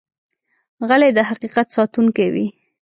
غلی، د حقیقت ساتونکی وي.